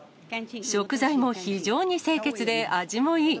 食材も非常に清潔で、味もいい。